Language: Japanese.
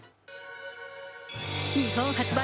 日本発売